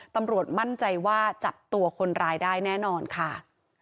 ตำรวจมั่นใจว่าจับตัวคนร้ายได้แน่นอนค่ะ